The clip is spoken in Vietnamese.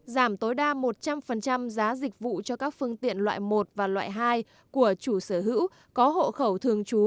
giảm tối đa một trăm linh giá dịch vụ cho các phương tiện loại một và loại hai của chủ sở hữu có hộ khẩu thường trú